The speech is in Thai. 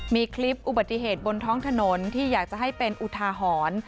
มีคลิปอุบัติเหตุบนท้องถนนที่อยากจะให้เป็นอุทาหรณ์